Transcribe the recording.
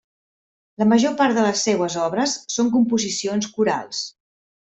La major part de les seues obres són composicions corals.